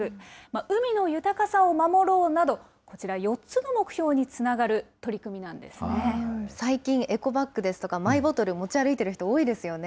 海の豊かさを守ろうなど、こちら４つの目標につながる取り組みな最近、エコバッグですとかマイボトル、持ち歩いてる人多いですよね。